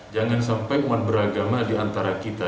jangan sampai umat beragama di antara kita